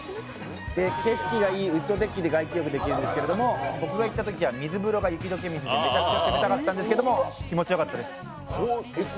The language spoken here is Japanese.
景色がいいウッドデッキで外気浴できるんですけれども、僕が行ったときは水風呂が雪解け水でめちゃくちゃ冷たかったんですけど気持ちよかったです。